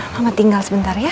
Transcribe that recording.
mama tinggal sebentar ya